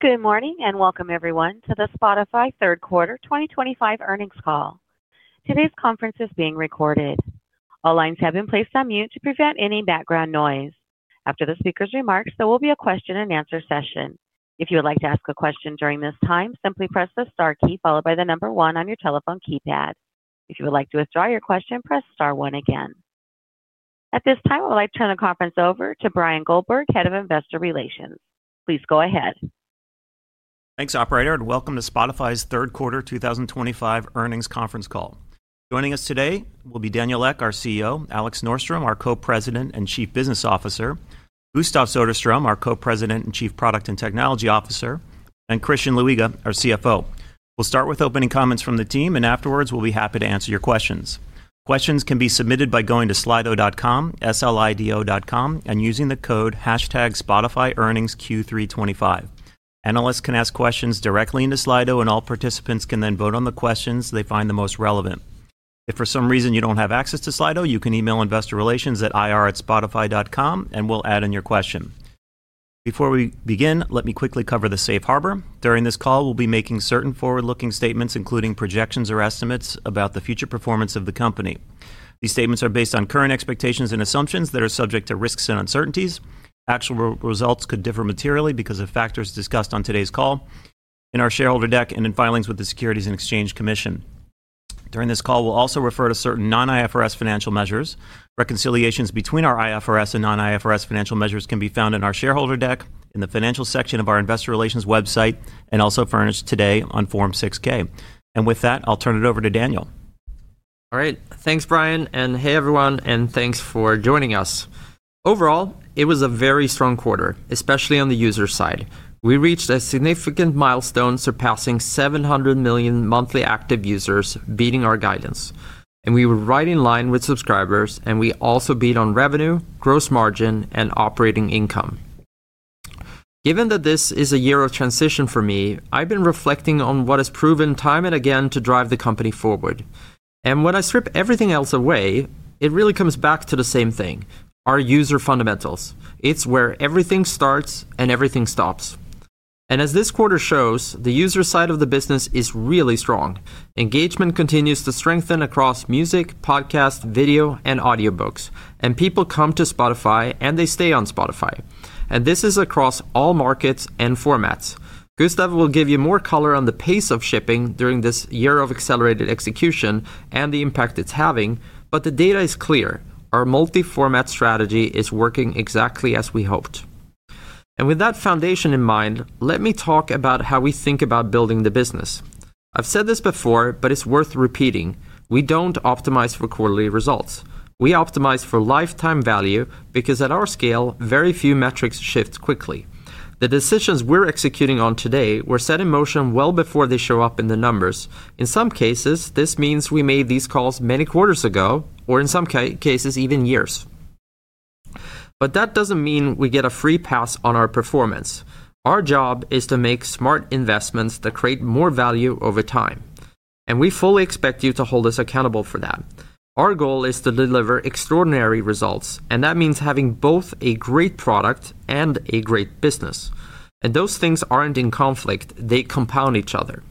Good morning and welcome, everyone, to the Spotify Third Quarter 2025 earnings call. Today's conference is being recorded. All lines have been placed on mute to prevent any background noise. After the speaker's remarks, there will be a question-and-answer session. If you would like to ask a question during this time, simply press the star key followed by the number one on your telephone keypad. If you would like to withdraw your question, press star one again. At this time, I would like to turn the conference over to Bryan Goldberg, Head of Investor Relations. Please go ahead. Thanks, operator, and welcome to Spotify's Third Quarter 2025 earnings conference call. Joining us today will be Daniel Ek, our CEO, Alex Norström, our Co-President and Chief Business Officer, Gustav Söderström, our Co-President and Chief Product and Technology Officer, and Christian Luiga, our CFO. We'll start with opening comments from the team, and afterwards, we'll be happy to answer your questions. Questions can be submitted by going to slido.com, slido.com, and using the code #spotifyearningsq325. Analysts can ask questions directly into Slido, and all participants can then vote on the questions they find the most relevant. If for some reason you don't have access to Slido, you can email investorrelations@ir@spotify.com, and we'll add in your question. Before we begin, let me quickly cover the safe harbor. During this call, we'll be making certain forward-looking statements, including projections or estimates about the future performance of the company. These statements are based on current expectations and assumptions that are subject to risks and uncertainties. Actual results could differ materially because of factors discussed on today's call, in our shareholder deck, and in filings with the Securities and Exchange Commission. During this call, we'll also refer to certain non-IFRS financial measures. Reconciliations between our IFRS and non-IFRS financial measures can be found in our shareholder deck, in the financial section of our Investor Relations website, and also furnished today on Form 6-K. With that, I'll turn it over to Daniel. All right. Thanks, Bryan. And hey, everyone, and thanks for joining us. Overall, it was a very strong quarter, especially on the user side. We reached a significant milestone, surpassing 700 million monthly active users, beating our guidance. And we were right in line with subscribers, and we also beat on revenue, gross margin, and operating income. Given that this is a year of transition for me, I've been reflecting on what has proven time and again to drive the company forward. And when I strip everything else away, it really comes back to the same thing: our user fundamentals. It's where everything starts and everything stops. As this quarter shows, the user side of the business is really strong. Engagement continues to strengthen across music, podcast, video, and audiobooks. People come to Spotify, and they stay on Spotify. This is across all markets and formats. Gustav will give you more color on the pace of shipping during this year of accelerated execution and the impact it's having, but the data is clear. Our multi-format strategy is working exactly as we hoped. With that foundation in mind, let me talk about how we think about building the business. I've said this before, but it's worth repeating: we don't optimize for quarterly results. We optimize for lifetime value because at our scale, very few metrics shift quickly. The decisions we're executing on today were set in motion well before they show up in the numbers. In some cases, this means we made these calls many quarters ago, or in some cases, even years. That doesn't mean we get a free pass on our performance. Our job is to make smart investments that create more value over time. We fully expect you to hold us accountable for that. Our goal is to deliver extraordinary results, and that means having both a great product and a great business. Those things aren't in conflict; they compound each other.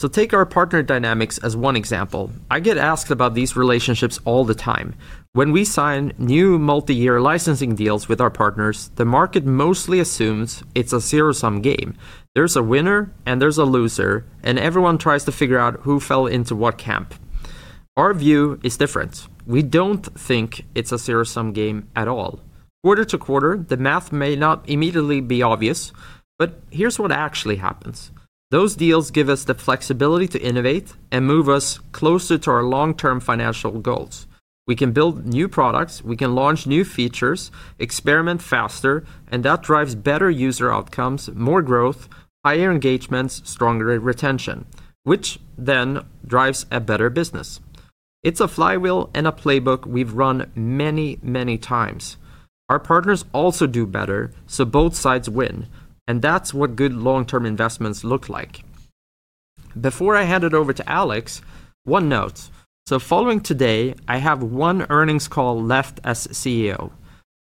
Take our partner dynamics as one example. I get asked about these relationships all the time. When we sign new multi-year licensing deals with our partners, the market mostly assumes it's a zero-sum game. There's a winner and there's a loser, and everyone tries to figure out who fell into what camp. Our view is different. We don't think it's a zero-sum game at all. Quarter to quarter, the math may not immediately be obvious, but here's what actually happens. Those deals give us the flexibility to innovate and move us closer to our long-term financial goals. We can build new products, we can launch new features, experiment faster, and that drives better user outcomes, more growth, higher engagements, stronger retention, which then drives a better business. It's a flywheel and a playbook we've run many, many times. Our partners also do better, so both sides win. That's what good long-term investments look like. Before I hand it over to Alex, one note. Following today, I have one earnings call left as CEO.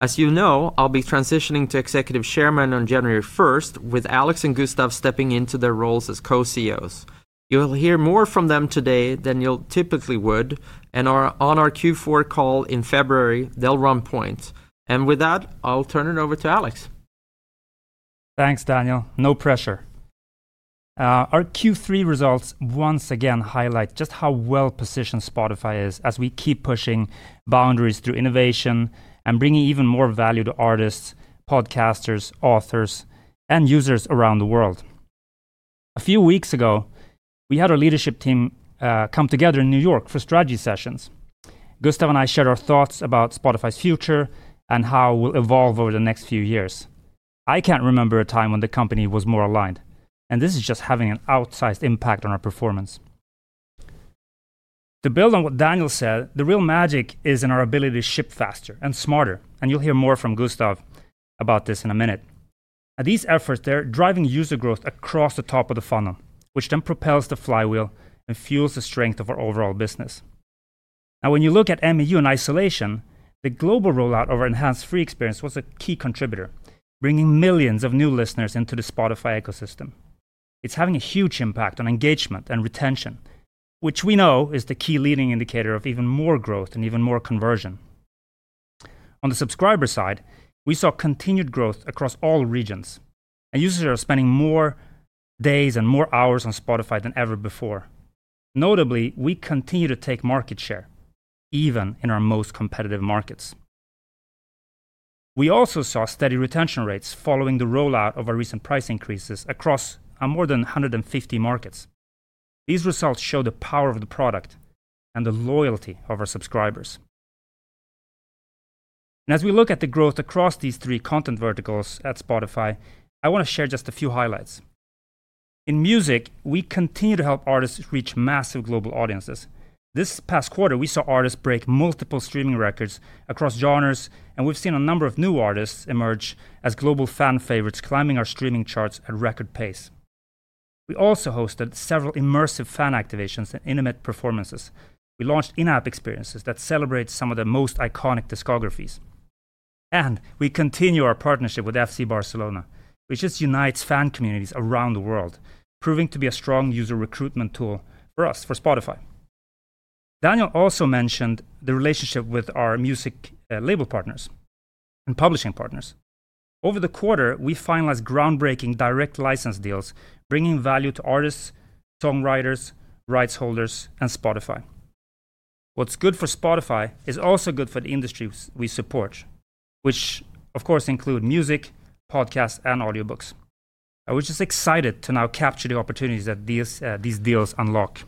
As you know, I'll be transitioning to Executive Chairman on January 1st, with Alex and Gustav stepping into their roles as co-CEOs. You'll hear more from them today than you typically would. On our Q4 call in February, they'll run points. With that, I'll turn it over to Alex. Thanks, Daniel. No pressure. Our Q3 results once again highlight just how well-positioned Spotify is as we keep pushing boundaries through innovation and bringing even more value to artists, podcasters, authors, and users around the world. A few weeks ago, we had our leadership team come together in New York for strategy sessions. Gustav and I shared our thoughts about Spotify's future and how it will evolve over the next few years. I can't remember a time when the company was more aligned, and this is just having an outsized impact on our performance. To build on what Daniel said, the real magic is in our ability to ship faster and smarter, and you'll hear more from Gustav about this in a minute. These efforts, they're driving user growth across the top of the funnel, which then propels the flywheel and fuels the strength of our overall business. Now, when you look at MAU in isolation, the global rollout of our enhanced free experience was a key contributor, bringing millions of new listeners into the Spotify ecosystem. It's having a huge impact on engagement and retention, which we know is the key leading indicator of even more growth and even more conversion. On the subscriber side, we saw continued growth across all regions, and users are spending more days and more hours on Spotify than ever before. Notably, we continue to take market share, even in our most competitive markets. We also saw steady retention rates following the rollout of our recent price increases across more than 150 markets. These results show the power of the product and the loyalty of our subscribers. As we look at the growth across these three content verticals at Spotify, I want to share just a few highlights. In music, we continue to help artists reach massive global audiences. This past quarter, we saw artists break multiple streaming records across genres, and we've seen a number of new artists emerge as global fan favorites, climbing our streaming charts at record pace. We also hosted several immersive fan activations and intimate performances. We launched in-app experiences that celebrate some of the most iconic discographies. We continue our partnership with FC Barcelona, which just unites fan communities around the world, proving to be a strong user recruitment tool for us, for Spotify. Daniel also mentioned the relationship with our music label partners and publishing partners. Over the quarter, we finalized groundbreaking direct license deals, bringing value to artists, songwriters, rights holders, and Spotify. What's good for Spotify is also good for the industry we support, which, of course, includes music, podcasts, and audiobooks, which is exciting to now capture the opportunities that these deals unlock.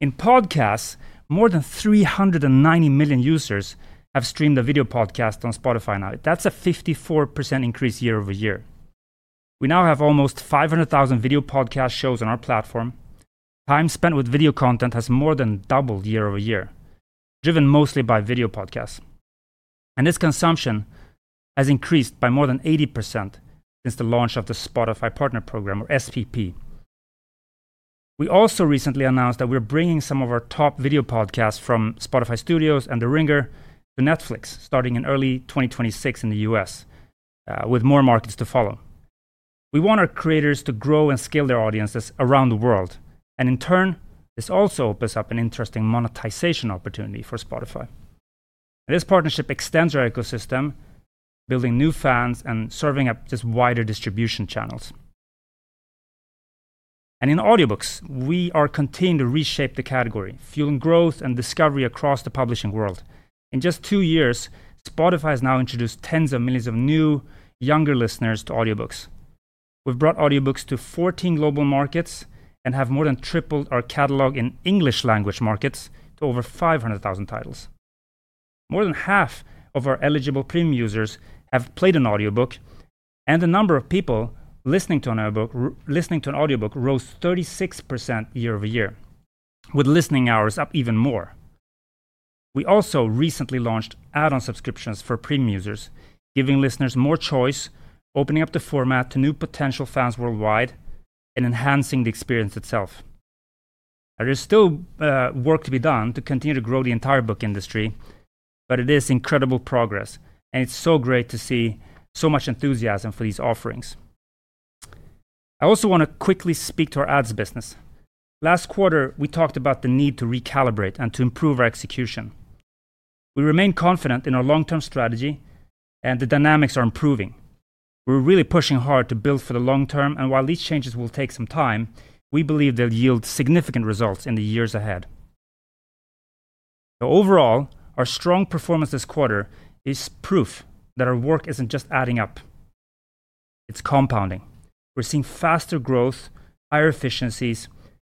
In podcasts, more than 390 million users have streamed a video podcast on Spotify now. That's a 54% increase year-over-year. We now have almost 500,000 video podcast shows on our platform. Time spent with video content has more than doubled year over year, driven mostly by video podcasts. This consumption has increased by more than 80% since the launch of the Spotify Partner Program, or SPP. We also recently announced that we are bringing some of our top video podcasts from Spotify Studios and The Ringer to Netflix, starting in early 2026 in the U.S., with more markets to follow. We want our creators to grow and scale their audiences around the world. In turn, this also opens up an interesting monetization opportunity for Spotify. This partnership extends our ecosystem, building new fans and serving up just wider distribution channels. In audiobooks, we are continuing to reshape the category, fueling growth and discovery across the publishing world. In just two years, Spotify has now introduced tens of millions of new, younger listeners to audiobooks. We have brought audiobooks to 14 global markets and have more than tripled our catalog in English-language markets to over 500,000 titles. More than half of our eligible Premium users have played an audiobook, and the number of people listening to an audiobook rose 36% year over year, with listening hours up even more. We also recently launched add-on subscriptions for Premium users, giving listeners more choice, opening up the format to new potential fans worldwide, and enhancing the experience itself. There is still work to be done to continue to grow the entire book industry, but it is incredible progress, and it is so great to see so much enthusiasm for these offerings. I also want to quickly speak to our ads business. Last quarter, we talked about the need to recalibrate and to improve our execution. We remain confident in our long-term strategy, and the dynamics are improving. We are really pushing hard to build for the long term, and while these changes will take some time, we believe they will yield significant results in the years ahead. Overall, our strong performance this quarter is proof that our work is not just adding up. It is compounding. We are seeing faster growth, higher efficiencies,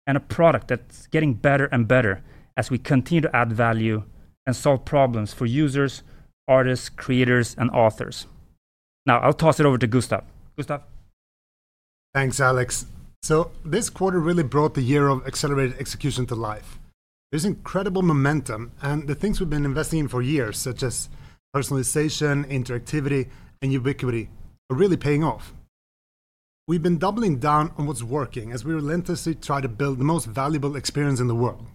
and a product that is getting better and better as we continue to add value and solve problems for users, artists, creators, and authors. Now, I will toss it over to Gustav. Gustav. Thanks, Alex. This quarter really brought the year of accelerated execution to life. There is incredible momentum, and the things we have been investing in for years, such as personalization, interactivity, and ubiquity, are really paying off. We have been doubling down on what is working as we relentlessly try to build the most valuable experience in the world.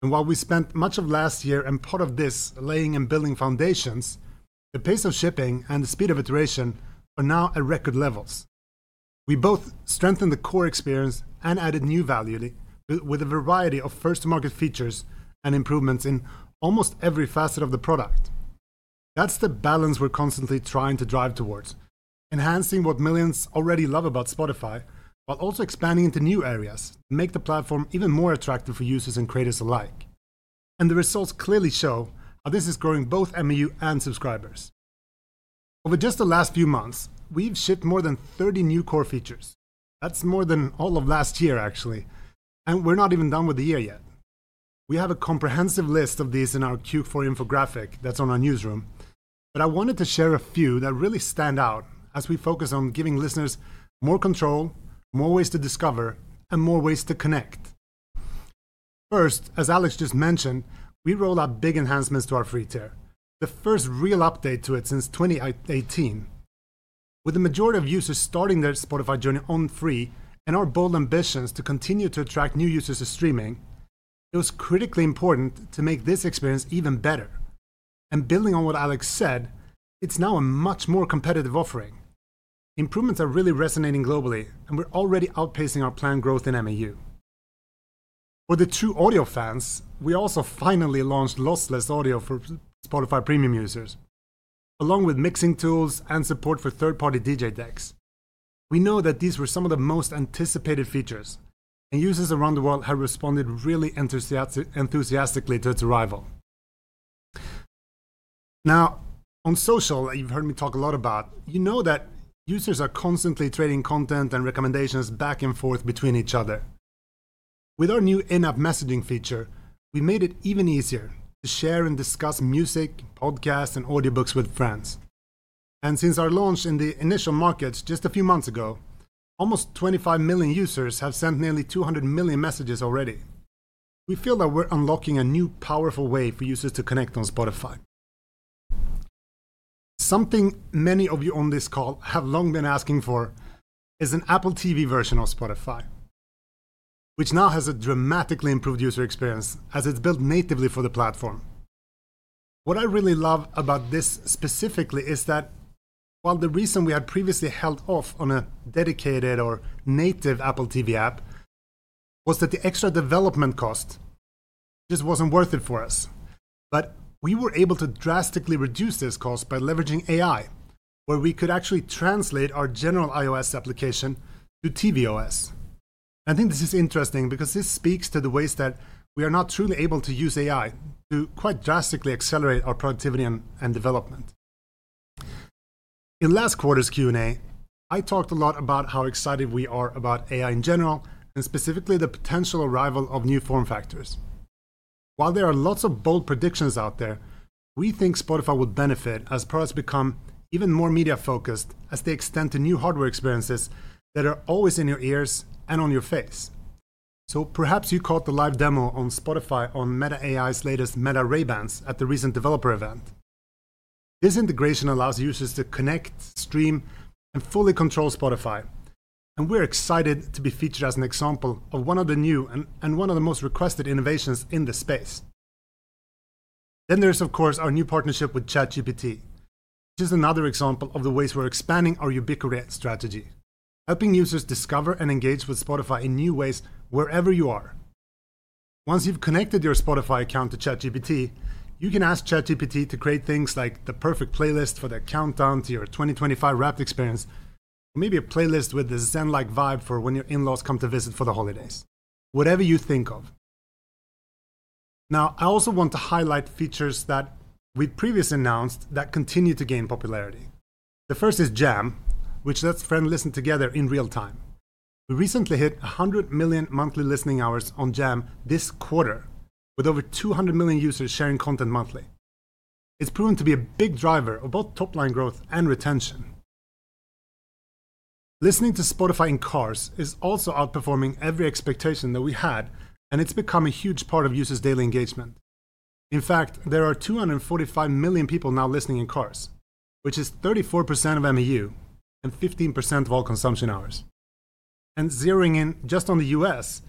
While we spent much of last year and part of this laying and building foundations, the pace of shipping and the speed of iteration are now at record levels. We both strengthened the core experience and added new value with a variety of first-market features and improvements in almost every facet of the product. That is the balance we are constantly trying to drive towards: enhancing what millions already love about Spotify, while also expanding into new areas to make the platform even more attractive for users and creators alike. The results clearly show how this is growing both MAU and subscribers. Over just the last few months, we have shipped more than 30 new core features. That is more than all of last year, actually. We are not even done with the year yet. We have a comprehensive list of these in our Q4 infographic that is on our newsroom, but I wanted to share a few that really stand out as we focus on giving listeners more control, more ways to discover, and more ways to connect. First, as Alex just mentioned, we rolled out big enhancements to our free tier, the first real update to it since 2018. With the majority of users starting their Spotify journey on free and our bold ambitions to continue to attract new users to streaming, it was critically important to make this experience even better. Building on what Alex said, it is now a much more competitive offering. Improvements are really resonating globally, and we are already outpacing our planned growth in MAU. For the true audio fans, we also finally launched lossless audio for Spotify Premium users, along with mixing tools and support for third-party DJ decks. We know that these were some of the most anticipated features, and users around the world have responded really enthusiastically to its arrival. Now, on social, that you have heard me talk a lot about, you know that users are constantly trading content and recommendations back and forth between each other. With our new in-app messaging feature, we made it even easier to share and discuss music, podcasts, and audiobooks with friends. Since our launch in the initial markets just a few months ago, almost 25 million users have sent nearly 200 million messages already. We feel that we are unlocking a new powerful way for users to connect on Spotify. Something many of you on this call have long been asking for is an Apple TV version of Spotify, which now has a dramatically improved user experience as it is built natively for the platform. What I really love about this specifically is that while the reason we had previously held off on a dedicated or native Apple TV app was that the extra development cost just was not worth it for us. We were able to drastically reduce this cost by leveraging AI, where we could actually translate our general iOS application to tvOS. I think this is interesting because this speaks to the ways that we are now truly able to use AI to quite drastically accelerate our productivity and development. In last quarter's Q&A, I talked a lot about how excited we are about AI in general, and specifically the potential arrival of new form factors. While there are lots of bold predictions out there, we think Spotify would benefit as products become even more media-focused as they extend to new hardware experiences that are always in your ears and on your face. Perhaps you caught the live demo on Spotify on Meta AI's latest Meta Ray-Bans at the recent developer event. This integration allows users to connect, stream, and fully control Spotify. We are excited to be featured as an example of one of the new and one of the most requested innovations in the space. There is, of course, our new partnership with ChatGPT, which is another example of the ways we are expanding our ubiquity strategy, helping users discover and engage with Spotify in new ways wherever you are. Once you have connected your Spotify account to ChatGPT, you can ask ChatGPT to create things like the perfect playlist for the countdown to your 2025 wrapped experience, or maybe a playlist with the zen-like vibe for when your in-laws come to visit for the holidays, whatever you think of. I also want to highlight features that we previously announced that continue to gain popularity. The first is Jam, which lets friends listen together in real time. We recently hit 100 million monthly listening hours on Jam this quarter, with over 200 million users sharing content monthly. It has proven to be a big driver of both top-line growth and retention. Listening to Spotify in cars is also outperforming every expectation that we had, and it has become a huge part of users' daily engagement. In fact, there are 245 million people now listening in cars, which is 34% of MAU and 15% of all consumption hours. Zeroing in just on the U.S.,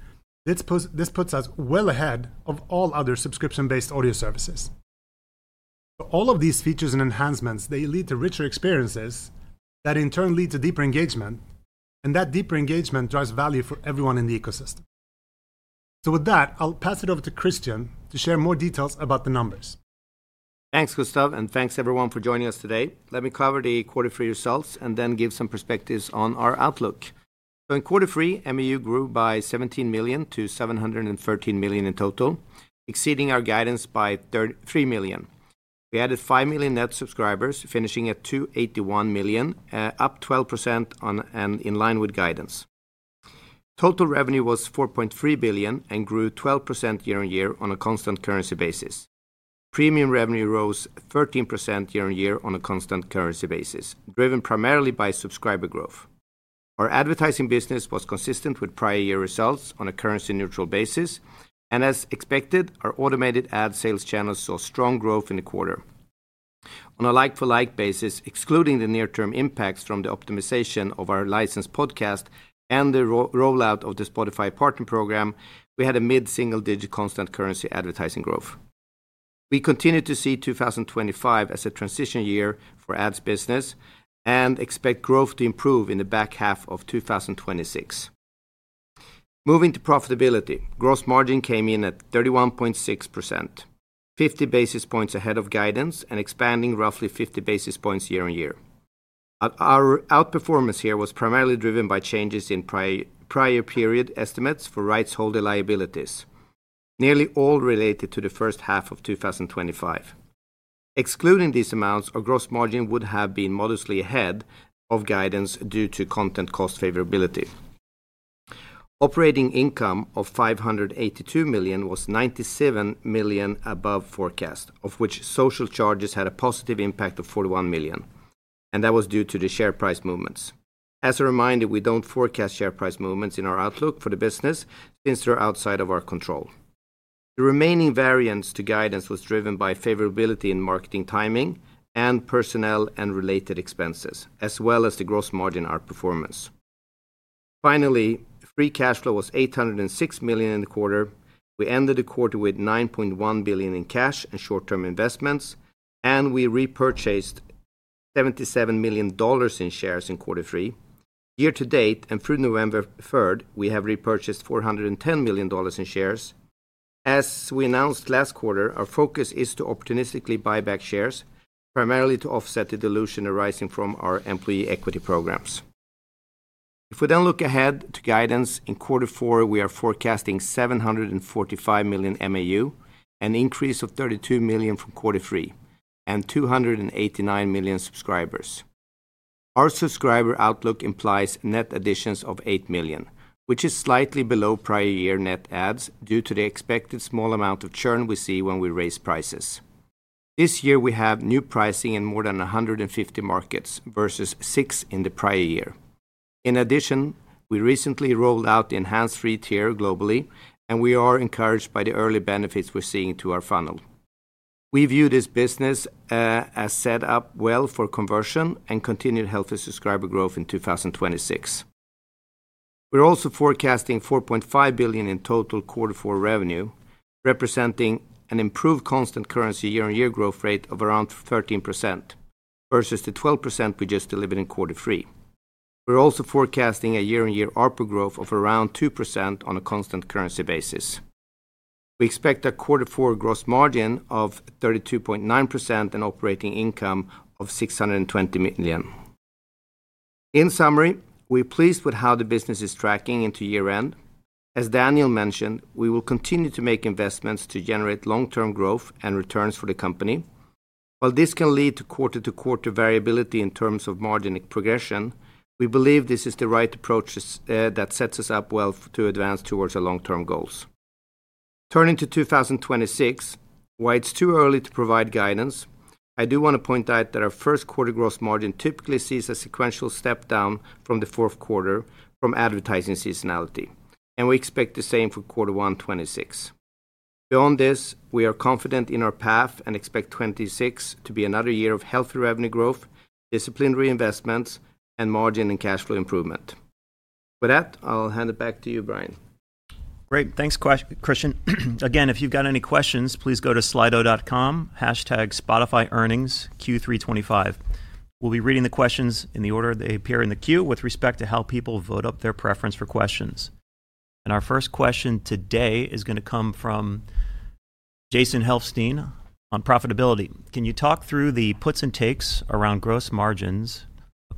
this puts us well ahead of all other subscription-based audio services. All of these features and enhancements lead to richer experiences that in turn lead to deeper engagement, and that deeper engagement drives value for everyone in the ecosystem. With that, I will pass it over to Christian to share more details about the numbers. Thanks, Gustav, and thanks everyone for joining us today. Let me cover the quarter three results and then give some perspectives on our outlook. In quarter three, MAU grew by 17 million-713 million in total, exceeding our guidance by 3 million. We added 5 million net subscribers, finishing at 281 million, up 12% and in line with guidance. Total revenue was 4.3 billion and grew 12% year on year on a constant currency basis. Premium revenue rose 13% year on year on a constant currency basis, driven primarily by subscriber growth. Our advertising business was consistent with prior year results on a currency-neutral basis, and as expected, our automated ad sales channels saw strong growth in the quarter. On a like-for-like basis, excluding the near-term impacts from the optimization of our licensed podcast and the rollout of the Spotify Partner Program, we had a mid-single-digit constant currency advertising growth. We continue to see 2025 as a transition year for ads business and expect growth to improve in the back half of 2026. Moving to profitability, gross margin came in at 31.6%, 50 basis points ahead of guidance and expanding roughly 50 basis points year on year. Our outperformance here was primarily driven by changes in prior period estimates for rights holder liabilities, nearly all related to the first half of 2025. Excluding these amounts, our gross margin would have been modestly ahead of guidance due to content cost favorability. Operating income of 582 million was 97 million above forecast, of which social charges had a positive impact of 41 million, and that was due to the share price movements. As a reminder, we do not forecast share price movements in our outlook for the business since they are outside of our control. The remaining variance to guidance was driven by favorability in marketing timing and personnel and related expenses, as well as the gross margin outperformance. Finally, free cash flow was 806 million in the quarter. We ended the quarter with 9.1 billion in cash and short-term investments, and we repurchased $77 million in shares in quarter three. Year to date and through November 3th, we have repurchased $410 million in shares. As we announced last quarter, our focus is to opportunistically buy back shares, primarily to offset the dilution arising from our employee equity programs. If we then look ahead to guidance, in quarter four, we are forecasting 745 million MAU, an increase of 32 million from quarter three, and 289 million subscribers. Our subscriber outlook implies net additions of 8 million, which is slightly below prior year net adds due to the expected small amount of churn we see when we raise prices. This year, we have new pricing in more than 150 markets versus six in the prior year. In addition, we recently rolled out the enhanced free tier globally, and we are encouraged by the early benefits we are seeing to our funnel. We view this business. As set up well for conversion and continued healthy subscriber growth in 2026. We're also forecasting 4.5 billion in total quarter four revenue, representing an improved constant currency year-on-year growth rate of around 13% versus the 12% we just delivered in quarter three. We're also forecasting a year-on-year ARPU growth of around 2% on a constant currency basis. We expect a quarter four gross margin of 32.9% and operating income of 620 million. In summary, we're pleased with how the business is tracking into year-end. As Daniel mentioned, we will continue to make investments to generate long-term growth and returns for the company. While this can lead to quarter-to-quarter variability in terms of margin progression, we believe this is the right approach that sets us up well to advance towards our long-term goals. Turning to 2026, while it's too early to provide guidance, I do want to point out that our first quarter gross margin typically sees a sequential step down from the fourth quarter from advertising seasonality, and we expect the same for quarter one 2026. Beyond this, we are confident in our path and expect 2026 to be another year of healthy revenue growth, disciplined reinvestments, and margin and cash flow improvement. With that, I'll hand it back to you, Bryan. Great. Thanks, Christian. Again, if you've got any questions, please go to slido.com/. Spotify earnings Q325. We'll be reading the questions in the order they appear in the queue with respect to how people vote up their preference for questions. Our first question today is going to come from Jason Helfstein on profitability. Can you talk through the puts and takes around gross margins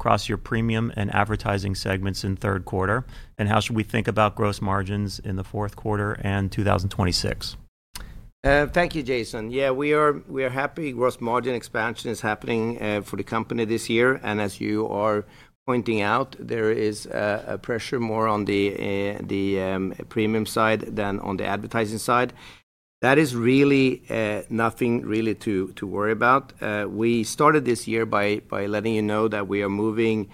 across your premium and advertising segments in third quarter, and how should we think about gross margins in the fourth quarter and 2026? Thank you, Jason. Yeah, we are happy gross margin expansion is happening for the company this year. As you are pointing out, there is a pressure more on the premium side than on the advertising side. That is really nothing really to worry about. We started this year by letting you know that we are moving,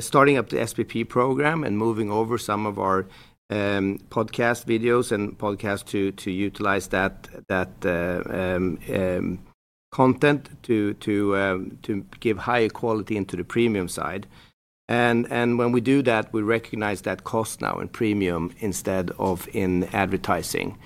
starting up the SPP program and moving over some of our podcast videos and podcasts to utilize that content to give higher quality into the premium side. When we do that, we recognize that cost now in premium instead of in advertising.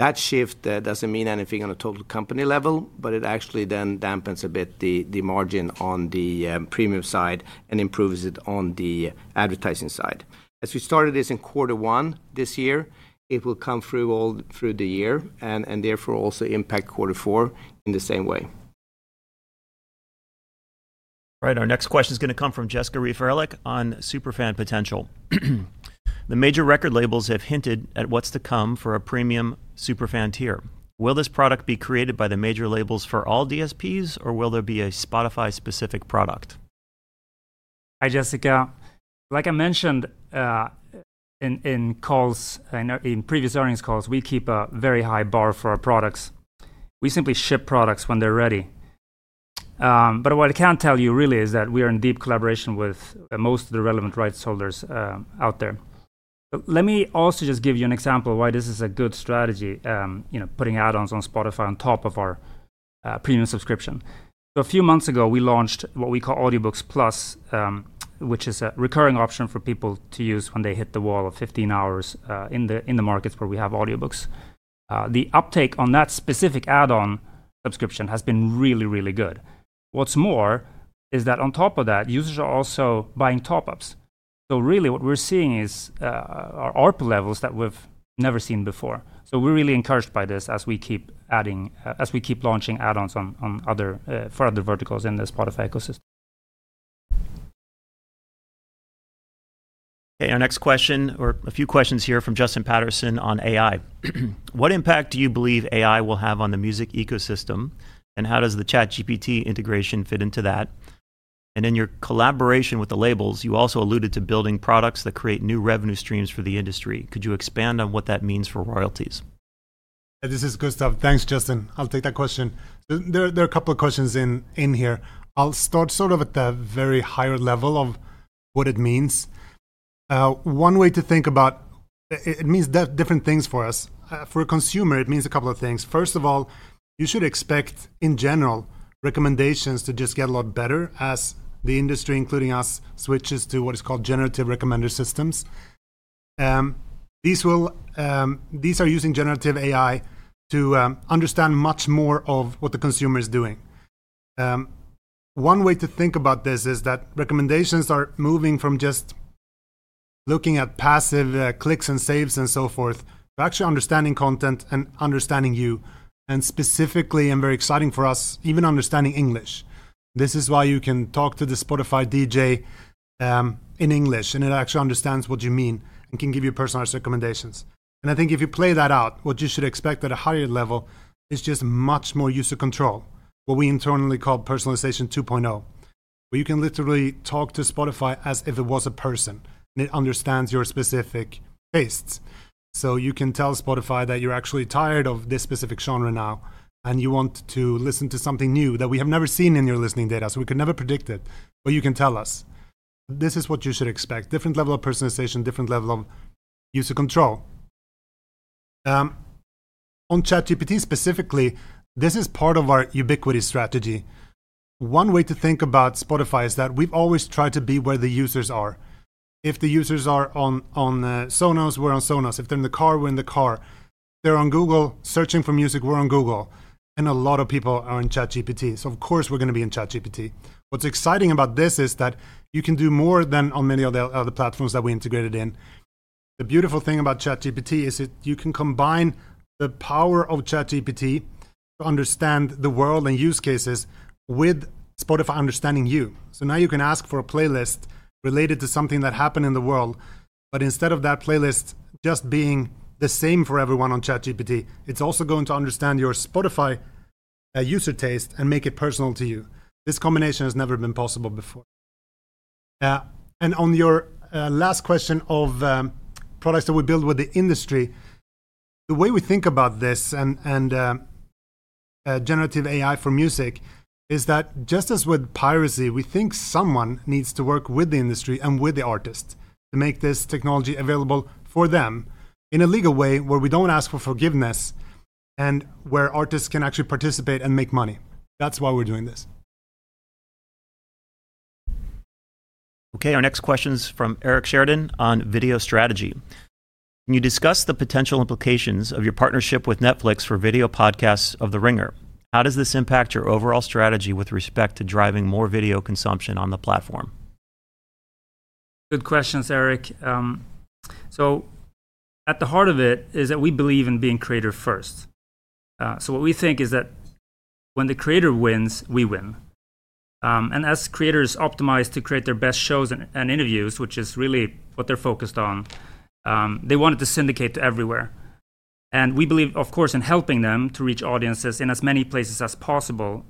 That shift does not mean anything on a total company level, but it actually then dampens a bit the margin on the premium side and improves it on the advertising side. As we started this in quarter one this year, it will come through all through the year and therefore also impact quarter four in the same way. All right, our next question is going to come from Jessica Riefer-Ehrlich on superfan potential. The major record labels have hinted at what's to come for a premium superfan tier. Will this product be created by the major labels for all DSPs, or will there be a Spotify-specific product? Hi, Jessica. Like I mentioned in previous earnings calls, we keep a very high bar for our products. We simply ship products when they're ready. What I can tell you really is that we are in deep collaboration with most of the relevant rights holders out there. Let me also just give you an example of why this is a good strategy, putting add-ons on Spotify on top of our premium subscription. A few months ago, we launched what we call Audiobooks Plus, which is a recurring option for people to use when they hit the wall of 15 hours in the markets where we have audiobooks. The uptake on that specific add-on subscription has been really, really good. What's more is that on top of that, users are also buying top-ups. What we're seeing is our ARPU levels that we've never seen before. We are really encouraged by this as we keep adding, as we keep launching add-ons for other verticals in the Spotify ecosystem. Okay, our next question, or a few questions here from Justin Patterson on AI. What impact do you believe AI will have on the music ecosystem, and how does the ChatGPT integration fit into that? In your collaboration with the labels, you also alluded to building products that create new revenue streams for the industry. Could you expand on what that means for royalties? This is Gustav. Thanks, Justin. I'll take that question. There are a couple of questions in here. I'll start sort of at the very higher level of what it means. One way to think about it, it means different things for us. For a consumer, it means a couple of things. First of all, you should expect, in general, recommendations to just get a lot better as the industry, including us, switches to what is called generative recommender systems. These are using generative AI to understand much more of what the consumer is doing. One way to think about this is that recommendations are moving from just looking at passive clicks and saves and so forth to actually understanding content and understanding you. And specifically, and very exciting for us, even understanding English. This is why you can talk to the Spotify DJ in English, and it actually understands what you mean and can give you personalized recommendations. I think if you play that out, what you should expect at a higher level is just much more user control, what we internally call personalization 2.0, where you can literally talk to Spotify as if it was a person, and it understands your specific tastes. You can tell Spotify that you're actually tired of this specific genre now, and you want to listen to something new that we have never seen in your listening data, so we could never predict it, but you can tell us. This is what you should expect: different level of personalization, different level of user control. On ChatGPT specifically, this is part of our ubiquity strategy. One way to think about Spotify is that we've always tried to be where the users are. If the users are on Sonos, we're on Sonos. If they're in the car, we're in the car. If they're on Google searching for music, we're on Google. A lot of people are in ChatGPT. Of course, we're going to be in ChatGPT. What's exciting about this is that you can do more than on many of the other platforms that we integrated in. The beautiful thing about ChatGPT is that you can combine the power of ChatGPT to understand the world and use cases with Spotify understanding you. Now you can ask for a playlist related to something that happened in the world, but instead of that playlist just being the same for everyone on ChatGPT, it's also going to understand your Spotify user taste and make it personal to you. This combination has never been possible before. On your last question of products that we build with the industry, the way we think about this and generative AI for music is that just as with piracy, we think someone needs to work with the industry and with the artists to make this technology available for them in a legal way where we don't ask for forgiveness and where artists can actually participate and make money. That's why we're doing this. Okay, our next question is from Eric Sheridan on video strategy. Can you discuss the potential implications of your partnership with Netflix for video podcasts of The Ringer? How does this impact your overall strategy with respect to driving more video consumption on the platform? Good questions, Eric. At the heart of it is that we believe in being creator first. What we think is that when the creator wins, we win. As creators optimize to create their best shows and interviews, which is really what they're focused on, they want to syndicate to everywhere. We believe, of course, in helping them to reach audiences in as many places as possible,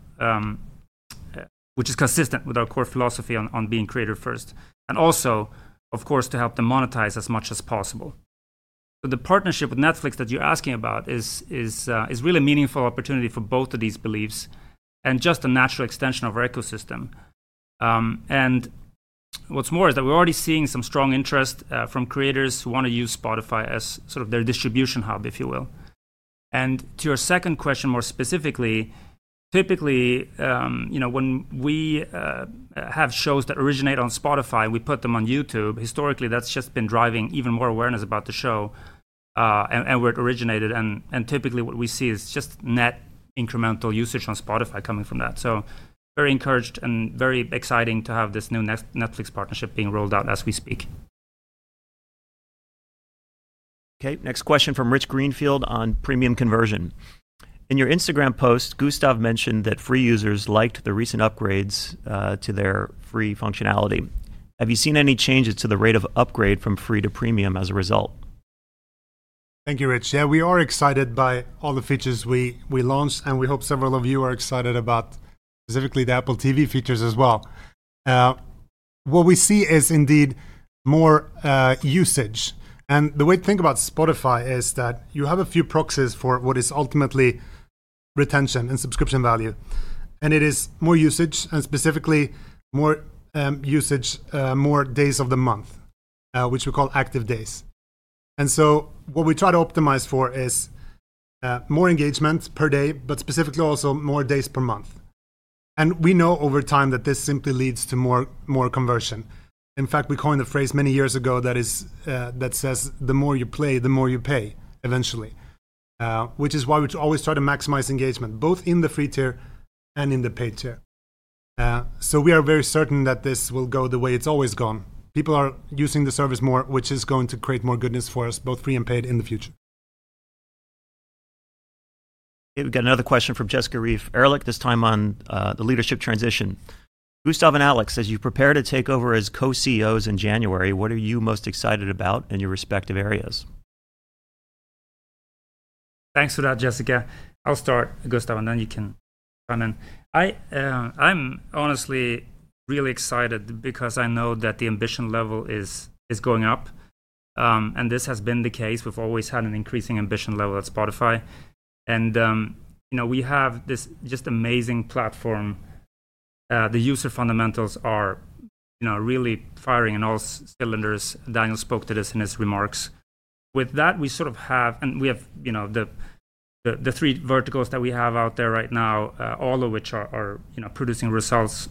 which is consistent with our core philosophy on being creator first. Also, of course, to help them monetize as much as possible. The partnership with Netflix that you're asking about is really a meaningful opportunity for both of these beliefs and just a natural extension of our ecosystem. What's more is that we're already seeing some strong interest from creators who want to use Spotify as sort of their distribution hub, if you will. To your second question more specifically, typically, when we have shows that originate on Spotify and we put them on YouTube, historically, that's just been driving even more awareness about the show and where it originated. Typically, what we see is just net incremental usage on Spotify coming from that. Very encouraged and very exciting to have this new Netflix partnership being rolled out as we speak. Okay, next question from Rich Greenfield on premium conversion. In your Instagram post, Gustav mentioned that free users liked the recent upgrades to their free functionality. Have you seen any changes to the rate of upgrade from free to premium as a result? Thank you, Rich. Yeah, we are excited by all the features we launched, and we hope several of you are excited about specifically the Apple TV features as well. What we see is indeed more usage. The way to think about Spotify is that you have a few proxies for what is ultimately retention and subscription value. It is more usage and specifically more usage, more days of the month, which we call active days. What we try to optimize for is more engagement per day, but specifically also more days per month. We know over time that this simply leads to more conversion. In fact, we coined a phrase many years ago that says the more you play, the more you pay eventually, which is why we always try to maximize engagement both in the free tier and in the paid tier. We are very certain that this will go the way it's always gone. People are using the service more, which is going to create more goodness for us, both free and paid in the future. Okay, we've got another question from Jessica Riefer-Ehrlich, this time on the leadership transition. Gustav and Alex, as you prepare to take over as co-CEOs in January, what are you most excited about in your respective areas? Thanks for that, Jessica. I'll start, Gustav, and then you can chime in. I'm honestly really excited because I know that the ambition level is going up. This has been the case. We've always had an increasing ambition level at Spotify. We have this just amazing platform. The user fundamentals are really firing on all cylinders. Daniel spoke to this in his remarks. With that, we sort of have, and we have the three verticals that we have out there right now, all of which are producing results.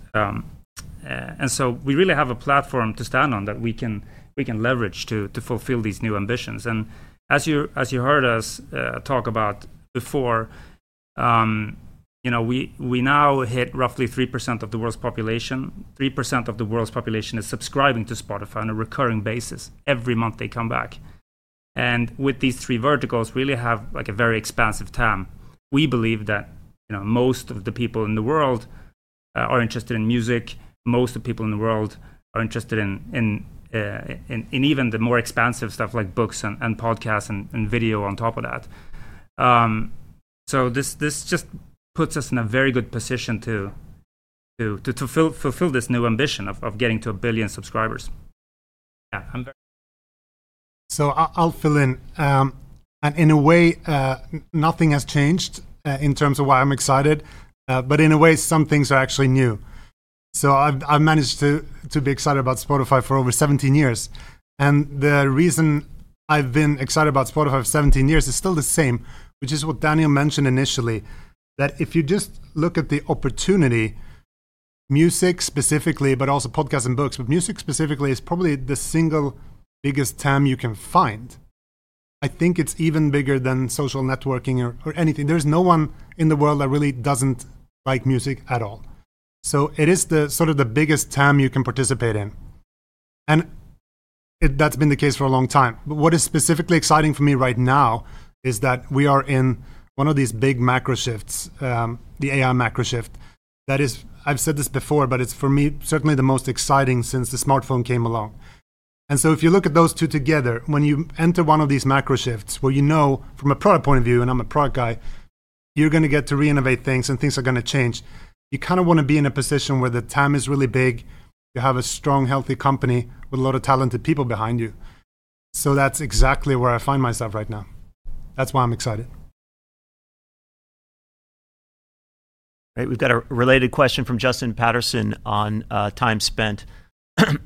We really have a platform to stand on that we can leverage to fulfill these new ambitions. As you heard us talk about before, we now hit roughly 3% of the world's population. 3% of the world's population is subscribing to Spotify on a recurring basis. Every month, they come back. With these three verticals, we really have a very expansive TAM. We believe that most of the people in the world are interested in music. Most of the people in the world are interested in even the more expansive stuff like books and podcasts and video on top of that. This just puts us in a very good position to fulfill this new ambition of getting to a billion subscribers. Yeah. I'll fill in. In a way, nothing has changed in terms of why I'm excited, but in a way, some things are actually new. I've managed to be excited about Spotify for over 17 years. The reason I've been excited about Spotify for 17 years is still the same, which is what Daniel mentioned initially, that if you just look at the opportunity. Music specifically, but also podcasts and books, but music specifically is probably the single biggest TAM you can find. I think it's even bigger than social networking or anything. There's no one in the world that really doesn't like music at all. It is sort of the biggest TAM you can participate in. That's been the case for a long time. What is specifically exciting for me right now is that we are in one of these big macro shifts, the AI macro shift. I've said this before, but it's for me certainly the most exciting since the smartphone came along. If you look at those two together, when you enter one of these macro shifts where you know from a product point of view, and I'm a product guy, you're going to get to reinovate things and things are going to change, you kind of want to be in a position where the TAM is really big, you have a strong, healthy company with a lot of talented people behind you. That's exactly where I find myself right now. That's why I'm excited. All right, we've got a related question from Justin Patterson on time spent.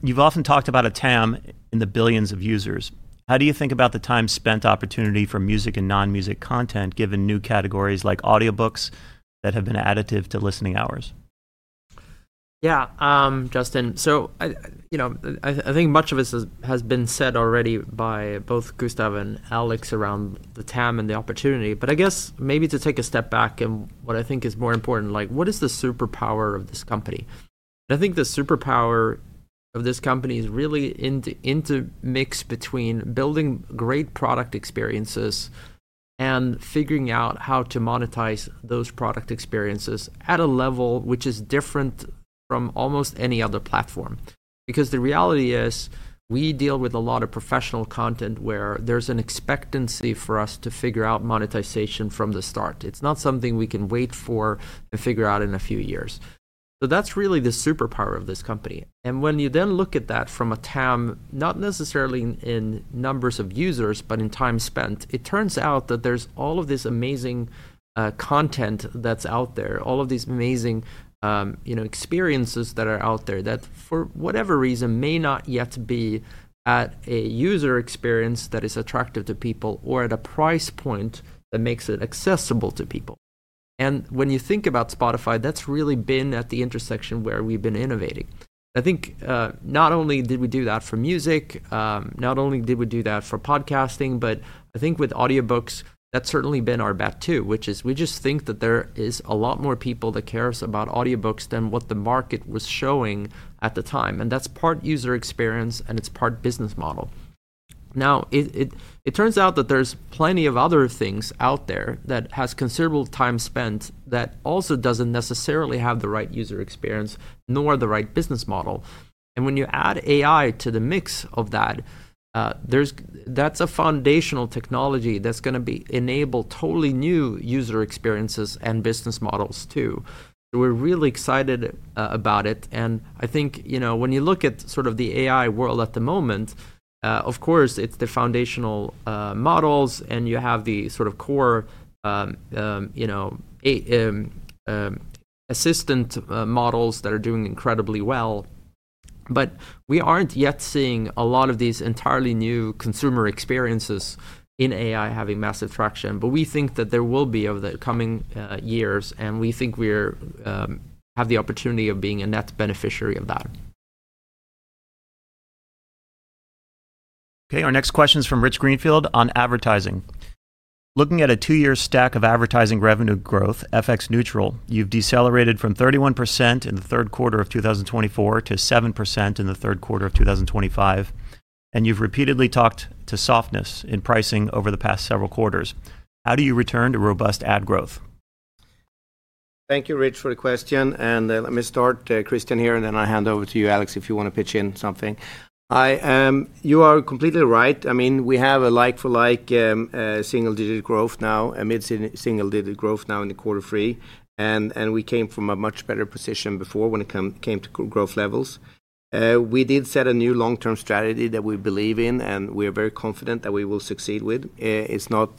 You've often talked about a TAM in the billions of users. How do you think about the time spent opportunity for music and non-music content, given new categories like audiobooks that have been additive to listening hours? Yeah, Justin. I think much of this has been said already by both Gustav and Alex around the TAM and the opportunity. I guess maybe to take a step back and what I think is more important, what is the superpower of this company? I think the superpower of this company is really intermixed between building great product experiences and figuring out how to monetize those product experiences at a level which is different from almost any other platform. The reality is we deal with a lot of professional content where there's an expectancy for us to figure out monetization from the start. It's not something we can wait for and figure out in a few years. That's really the superpower of this company. When you then look at that from a TAM, not necessarily in numbers of users, but in time spent, it turns out that there's all of this amazing content that's out there, all of these amazing experiences that are out there that for whatever reason may not yet be at a user experience that is attractive to people or at a price point that makes it accessible to people. When you think about Spotify, that's really been at the intersection where we've been innovating. I think not only did we do that for music, not only did we do that for podcasting, but I think with audiobooks, that's certainly been our bet too, which is we just think that there is a lot more people that care about audiobooks than what the market was showing at the time. That's part user experience and it's part business model. Now, it turns out that there's plenty of other things out there that have considerable time spent that also doesn't necessarily have the right user experience nor the right business model. When you add AI to the mix of that, that's a foundational technology that's going to enable totally new user experiences and business models too. We're really excited about it. I think when you look at sort of the AI world at the moment, of course, it's the foundational models and you have the sort of core assistant models that are doing incredibly well. We aren't yet seeing a lot of these entirely new consumer experiences in AI having massive traction. We think that there will be over the coming years, and we think we have the opportunity of being a net beneficiary of that. Okay, our next question is from Rich Greenfield on advertising. Looking at a two-year stack of advertising revenue growth, FX Neutral, you've decelerated from 31% in the third quarter of 2024 to 7% in the third quarter of 2025. You've repeatedly talked to softness in pricing over the past several quarters. How do you return to robust ad growth? Thank you, Rich, for the question. Let me start, Christian, here, and then I'll hand over to you, Alex, if you want to pitch in something. You are completely right. I mean, we have a like-for-like single-digit growth now, a mid-single-digit growth now in quarter three. We came from a much better position before when it came to growth levels. We did set a new long-term strategy that we believe in, and we are very confident that we will succeed with. It's not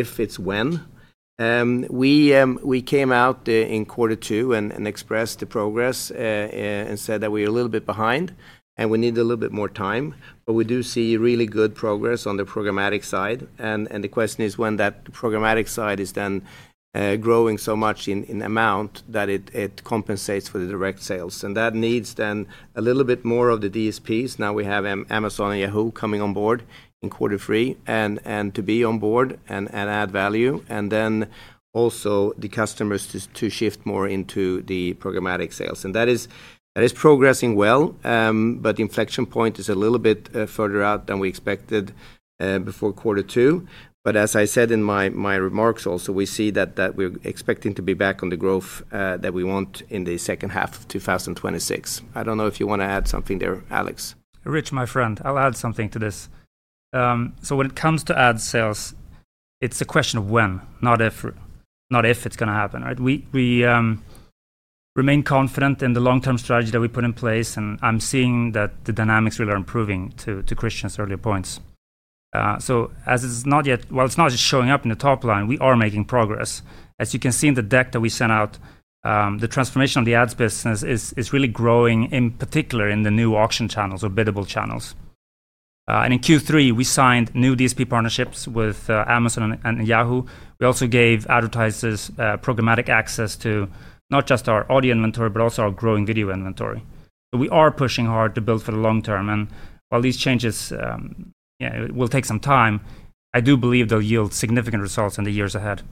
if, it's when. We came out in quarter two and expressed the progress and said that we were a little bit behind and we need a little bit more time. We do see really good progress on the programmatic side. The question is when that programmatic side is then growing so much in amount that it compensates for the direct sales. That needs then a little bit more of the DSPs. Now we have Amazon and Yahoo coming on board in quarter three to be on board and add value. Also the customers to shift more into the programmatic sales. That is progressing well, but the inflection point is a little bit further out than we expected before quarter two. As I said in my remarks also, we see that we're expecting to be back on the growth that we want in the second half of 2026. I don't know if you want to add something there, Alex. Rich, my friend, I'll add something to this. When it comes to ad sales, it's a question of when, not if it's going to happen. We remain confident in the long-term strategy that we put in place, and I'm seeing that the dynamics really are improving to Christian's earlier points. As it's not yet, it's not just showing up in the top line, we are making progress. As you can see in the deck that we sent out, the transformation of the ads business is really growing, in particular in the new auction channels or biddable channels. In Q3, we signed new DSP partnerships with Amazon and Yahoo. We also gave advertisers programmatic access to not just our audio inventory, but also our growing video inventory. We are pushing hard to build for the long term. While these changes will take some time, I do believe they'll yield significant results in the years ahead.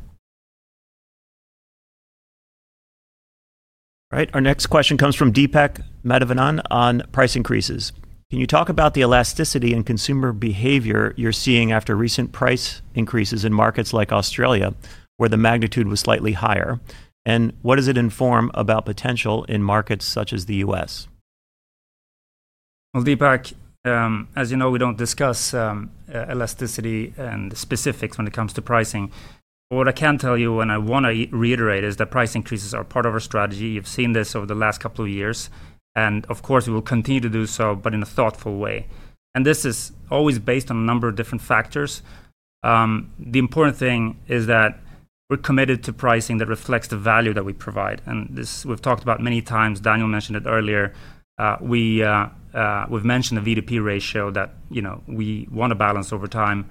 All right, our next question comes from Deepak Madhavanan on price increases. Can you talk about the elasticity in consumer behavior you're seeing after recent price increases in markets like Australia, where the magnitude was slightly higher? What does it inform about potential in markets such as the U.S.? Deepak, as you know, we do not discuss elasticity and specifics when it comes to pricing. What I can tell you, and I want to reiterate, is that price increases are part of our strategy. You have seen this over the last couple of years. Of course, we will continue to do so, but in a thoughtful way. This is always based on a number of different factors. The important thing is that we are committed to pricing that reflects the value that we provide. We have talked about this many times. Daniel mentioned it earlier. We have mentioned the VDP ratio that we want to balance over time.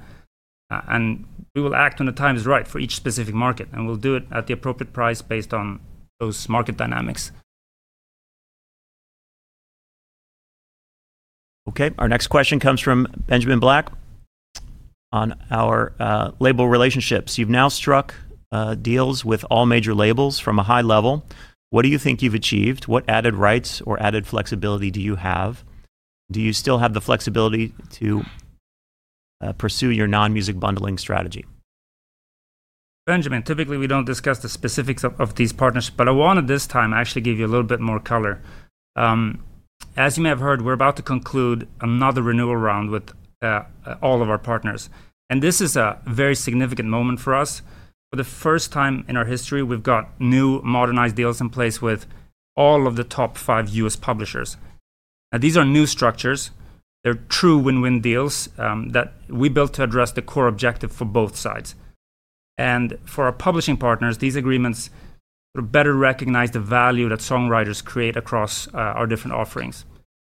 We will act when the time is right for each specific market. We will do it at the appropriate price based on those market dynamics. Okay, our next question comes from Benjamin Black. On our label relationships. You've now struck deals with all major labels. From a high level, what do you think you've achieved? What added rights or added flexibility do you have? Do you still have the flexibility to pursue your non-music bundling strategy? Benjamin, typically we do not discuss the specifics of these partnerships, but I wanted this time actually to give you a little bit more color. As you may have heard, we are about to conclude another renewal round with all of our partners. This is a very significant moment for us. For the first time in our history, we have got new modernized deals in place with all of the top five U.S. publishers. These are new structures. They are true win-win deals that we built to address the core objective for both sides. For our publishing partners, these agreements better recognize the value that songwriters create across our different offerings.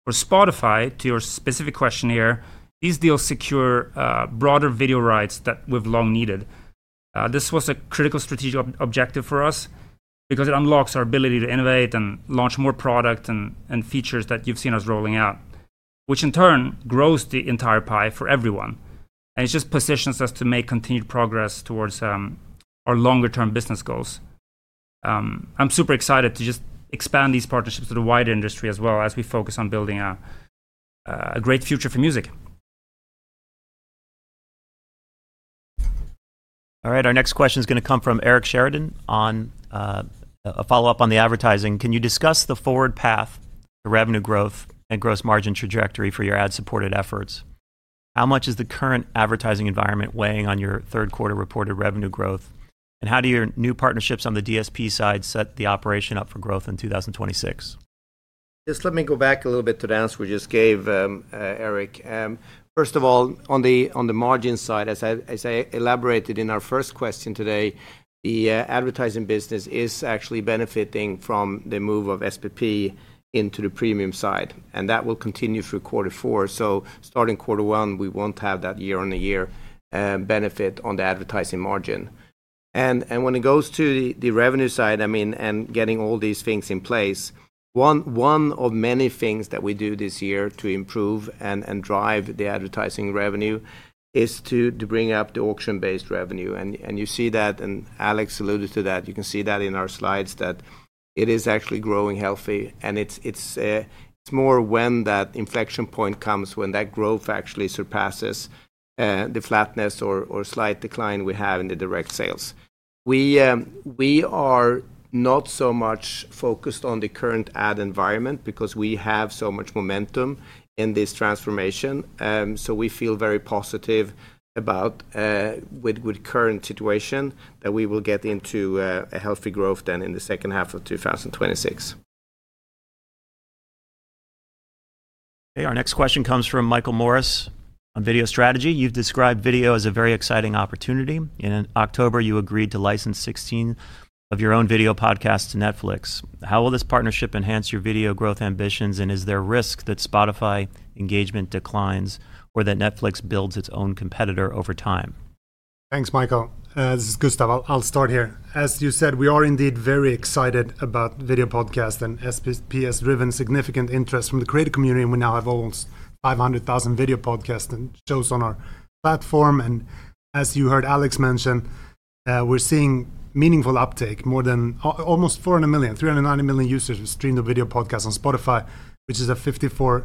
For Spotify, to your specific question here, these deals secure broader video rights that we have long needed. This was a critical strategic objective for us because it unlocks our ability to innovate and launch more products and features that you have seen us rolling out, which in turn grows the entire pie for everyone. It just positions us to make continued progress towards our longer-term business goals. I am super excited to just expand these partnerships to the wider industry as well as we focus on building a great future for music. All right, our next question is going to come from Eric Sheridan on a follow-up on the advertising. Can you discuss the forward path to revenue growth and gross margin trajectory for your ad-supported efforts? How much is the current advertising environment weighing on your third-quarter reported revenue growth? How do your new partnerships on the DSP side set the operation up for growth in 2026? Yes, let me go back a little bit to the answer we just gave, Eric. First of all, on the margin side, as I elaborated in our first question today, the advertising business is actually benefiting from the move of SPP into the premium side. That will continue through quarter four. Starting quarter one, we will not have that year-on-year benefit on the advertising margin. When it goes to the revenue side, I mean, and getting all these things in place, one of many things that we do this year to improve and drive the advertising revenue is to bring up the auction-based revenue. You see that, and Alex alluded to that, you can see that in our slides that it is actually growing healthy. It is more when that inflection point comes, when that growth actually surpasses the flatness or slight decline we have in the direct sales. We are not so much focused on the current ad environment because we have so much momentum in this transformation. We feel very positive about the current situation that we will get into a healthy growth then in the second half of 2026. Okay, our next question comes from Michael Morris on video strategy. You've described video as a very exciting opportunity. In October, you agreed to license 16 of your own video podcasts to Netflix. How will this partnership enhance your video growth ambitions? Is there a risk that Spotify engagement declines or that Netflix builds its own competitor over time? Thanks, Michael. This is Gustav. I'll start here. As you said, we are indeed very excited about video podcasts and SPP has driven significant interest from the creative community. We now have almost 500,000 video podcasts and shows on our platform. As you heard Alex mention, we're seeing meaningful uptake, more than almost 400 million, 390 million users stream the video podcast on Spotify, which is a 54%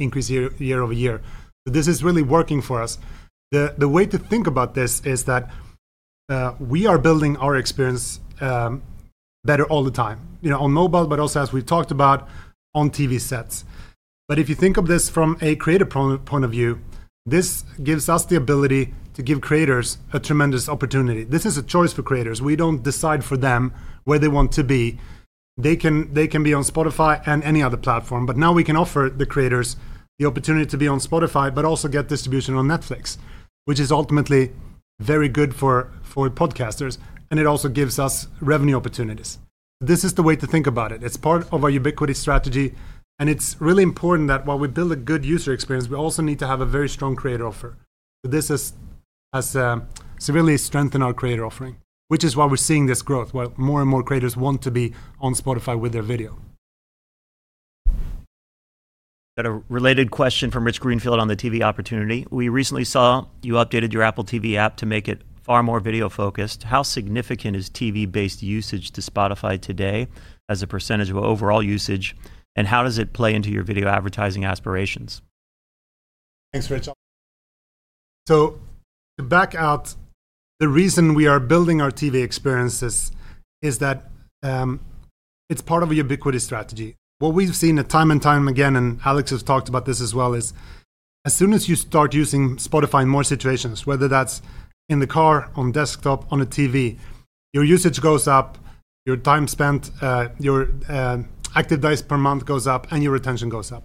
increase year over year. This is really working for us. The way to think about this is that we are building our experience better all the time, on mobile, but also, as we've talked about, on TV sets. If you think of this from a creative point of view, this gives us the ability to give creators a tremendous opportunity. This is a choice for creators. We don't decide for them where they want to be. They can be on Spotify and any other platform. Now we can offer the creators the opportunity to be on Spotify, but also get distribution on Netflix, which is ultimately very good for podcasters. It also gives us revenue opportunities. This is the way to think about it. It's part of our ubiquity strategy. It's really important that while we build a good user experience, we also need to have a very strong creator offer. This has really strengthened our creator offering, which is why we're seeing this growth, where more and more creators want to be on Spotify with their video. We've got a related question from Rich Greenfield on the TV opportunity. We recently saw you updated your Apple TV app to make it far more video focused. How significant is TV-based usage to Spotify today as a percentage of overall usage? How does it play into your video advertising aspirations? Thanks, Rich. To back out, the reason we are building our TV experiences is that it's part of a ubiquity strategy. What we've seen time and time again, and Alex has talked about this as well, is as soon as you start using Spotify in more situations, whether that's in the car, on desktop, on a TV, your usage goes up, your time spent, your active days per month goes up, and your retention goes up.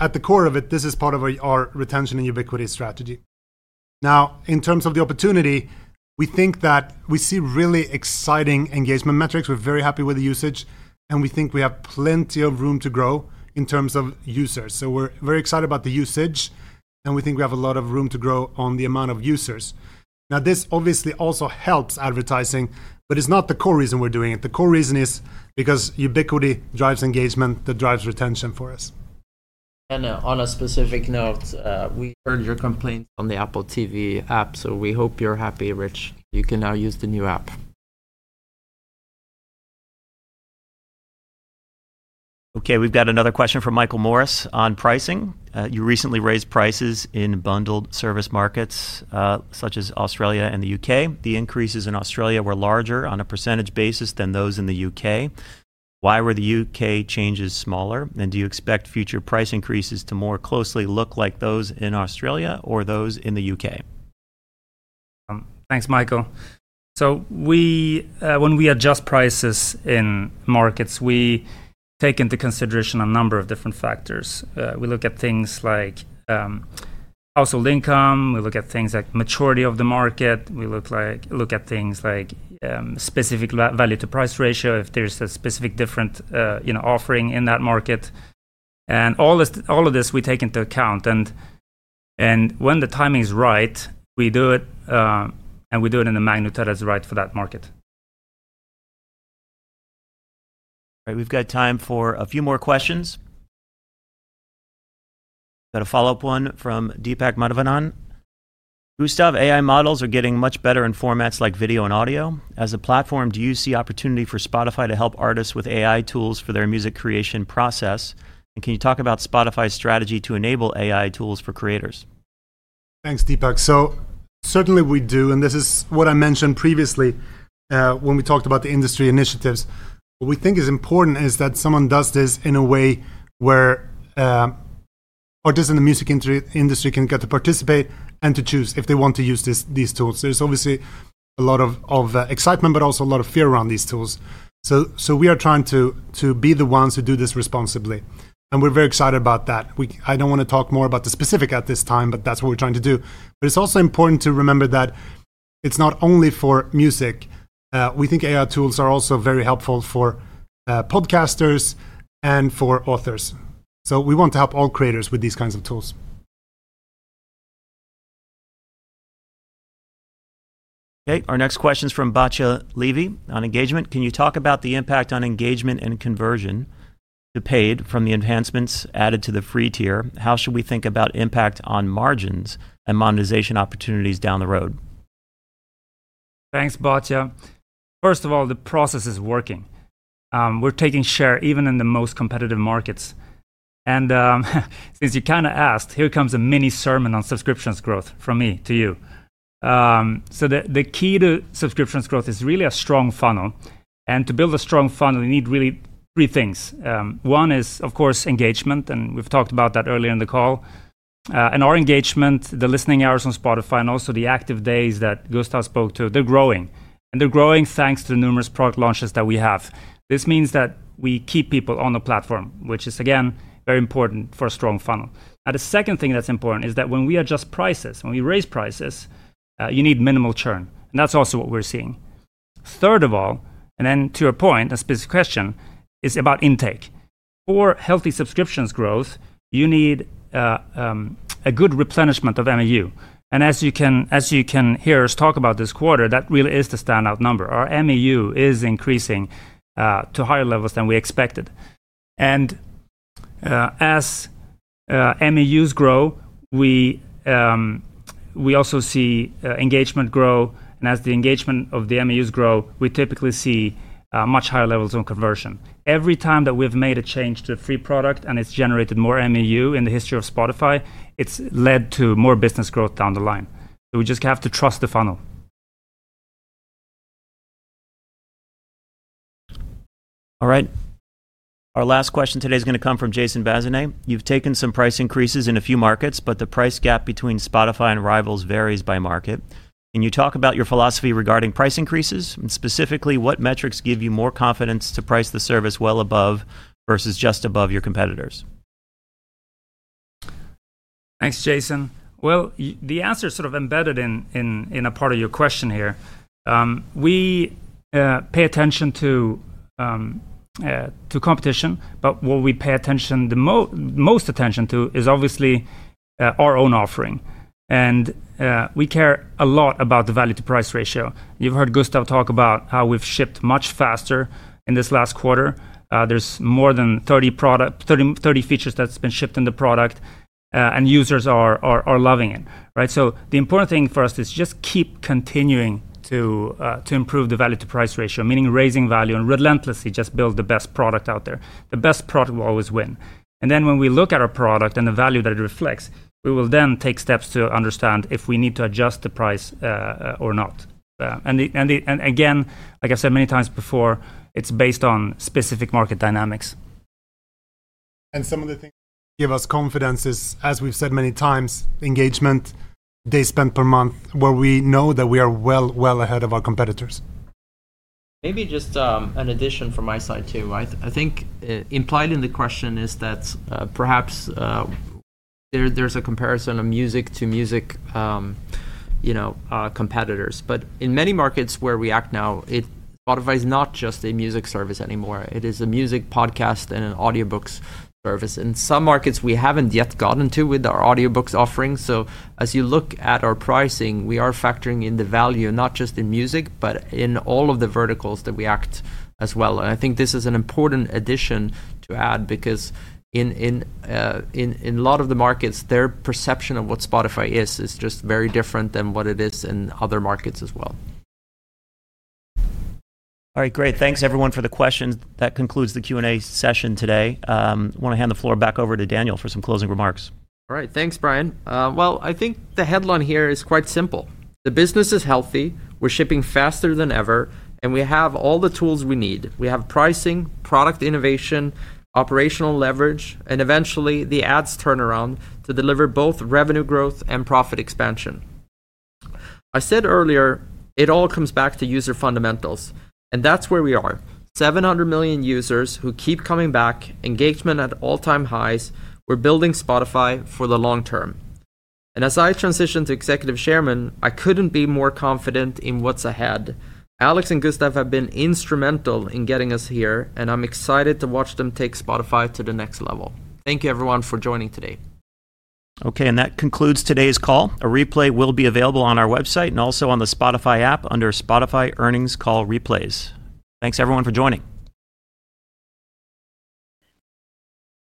At the core of it, this is part of our retention and ubiquity strategy. In terms of the opportunity, we think that we see really exciting engagement metrics. We're very happy with the usage, and we think we have plenty of room to grow in terms of users. We're very excited about the usage, and we think we have a lot of room to grow on the amount of users. This obviously also helps advertising, but it's not the core reason we're doing it. The core reason is because ubiquity drives engagement that drives retention for us. On a specific note, we heard your complaint on the Apple TV app. We hope you're happy, Rich. You can now use the new app. Okay, we've got another question from Michael Morris on pricing. You recently raised prices in bundled service markets such as Australia and the U.K. The increases in Australia were larger on a % basis than those in the U.K. Why were the U.K. changes smaller? Do you expect future price increases to more closely look like those in Australia or those in the U.K.? Thanks, Michael. When we adjust prices in markets, we take into consideration a number of different factors. We look at things like household income. We look at things like maturity of the market. We look at things like specific value to price ratio, if there is a specific different offering in that market. All of this we take into account. When the timing is right, we do it. We do it in the magnitude that is right for that market. All right, we've got time for a few more questions. We've got a follow-up one from Deepak Madhavanan. Gustav, AI models are getting much better in formats like video and audio. As a platform, do you see opportunity for Spotify to help artists with AI tools for their music creation process? Can you talk about Spotify's strategy to enable AI tools for creators? Thanks, Deepak. Certainly we do. This is what I mentioned previously when we talked about the industry initiatives. What we think is important is that someone does this in a way where artists in the music industry can get to participate and to choose if they want to use these tools. There's obviously a lot of excitement, but also a lot of fear around these tools. We are trying to be the ones who do this responsibly. We're very excited about that. I don't want to talk more about the specific at this time, but that's what we're trying to do. It's also important to remember that it's not only for music. We think AI tools are also very helpful for podcasters and for authors. We want to help all creators with these kinds of tools. Okay, our next question is from Bhatia Levy on engagement. Can you talk about the impact on engagement and conversion to paid from the enhancements added to the free tier? How should we think about impact on margins and monetization opportunities down the road? Thanks, Bhatia. First of all, the process is working. We're taking share even in the most competitive markets. Since you kind of asked, here comes a mini sermon on subscriptions growth from me to you. The key to subscriptions growth is really a strong funnel. To build a strong funnel, you need really three things. One is, of course, engagement. We've talked about that earlier in the call. Our engagement, the listening hours on Spotify, and also the active days that Gustav spoke to, they're growing. They're growing thanks to the numerous product launches that we have. This means that we keep people on the platform, which is, again, very important for a strong funnel. The second thing that's important is that when we adjust prices, when we raise prices, you need minimal churn. That's also what we're seeing. Third of all, and then to your point, a specific question is about intake. For healthy subscriptions growth, you need a good replenishment of MEU. As you can hear us talk about this quarter, that really is the standout number. Our MEU is increasing to higher levels than we expected. As MEUs grow, we also see engagement grow. As the engagement of the MEUs grow, we typically see much higher levels of conversion. Every time that we've made a change to a free product and it's generated more MEU in the history of Spotify, it's led to more business growth down the line. We just have to trust the funnel. All right. Our last question today is going to come from Jason Bazanay. You've taken some price increases in a few markets, but the price gap between Spotify and rivals varies by market. Can you talk about your philosophy regarding price increases? Specifically, what metrics give you more confidence to price the service well above versus just above your competitors? Thanks, Jason. The answer is sort of embedded in a part of your question here. We pay attention to competition, but what we pay most attention to is obviously our own offering. We care a lot about the value to price ratio. You've heard Gustav talk about how we've shipped much faster in this last quarter. There are more than 30 features that have been shipped in the product, and users are loving it. The important thing for us is just keep continuing to improve the value to price ratio, meaning raising value and relentlessly just build the best product out there. The best product will always win. When we look at our product and the value that it reflects, we will then take steps to understand if we need to adjust the price or not. Again, like I've said many times before, it's based on specific market dynamics. Some of the things that give us confidence is, as we've said many times, engagement. Day spent per month, where we know that we are well, well ahead of our competitors. Maybe just an addition from my side too. I think implied in the question is that perhaps there is a comparison of music to music competitors. In many markets where we act now, Spotify is not just a music service anymore. It is a music, podcast, and an audiobooks service. In some markets we have not yet gotten to with our audiobooks offering. As you look at our pricing, we are factoring in the value, not just in music, but in all of the verticals that we act as well. I think this is an important addition to add because in a lot of the markets, their perception of what Spotify is is just very different than what it is in other markets as well. All right, great. Thanks, everyone, for the questions. That concludes the Q&A session today. I want to hand the floor back over to Daniel for some closing remarks. All right, thanks, Bryan. I think the headline here is quite simple. The business is healthy. We're shipping faster than ever. We have all the tools we need. We have pricing, product innovation, operational leverage, and eventually the ads turnaround to deliver both revenue growth and profit expansion. I said earlier, it all comes back to user fundamentals. That's where we are. 700 million users who keep coming back, engagement at all-time highs. We're building Spotify for the long term. As I transition to Executive Chairman, I couldn't be more confident in what's ahead. Alex and Gustav have been instrumental in getting us here. I'm excited to watch them take Spotify to the next level. Thank you, everyone, for joining today. Okay, and that concludes today's call. A replay will be available on our website and also on the Spotify app under Spotify Earnings Call Replays. Thanks, everyone, for joining.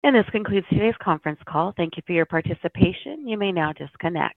This concludes today's conference call. Thank you for your participation. You may now disconnect.